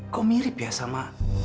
kok mirip ya sama